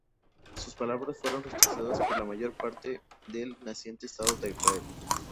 Sus palabras fueron rechazadas por la mayor parte del naciente Estado de Israel.